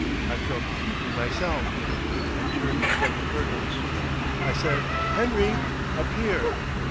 I felt creepy myself. I turned toward the curtains. I said, 'Henry, appear!'"